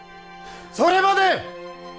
それまで！